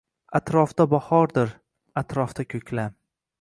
Atrofda bahordir, atrofda ko’klam.